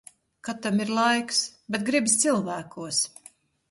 Kad tam ir laiks. Bet gribas cilvēkos.